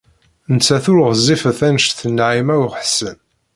Nettat ur ɣezzifet anect n Naɛima u Ḥsen.